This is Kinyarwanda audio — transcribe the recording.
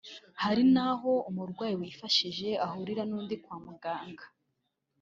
Hari n’aho umurwayi wifashije ahurira n’undi kwa muganga